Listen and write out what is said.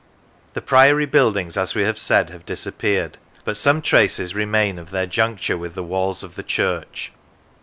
The Priory buildings, as we have said, have disappeared, but some traces remain of their juncture with the walls of the church.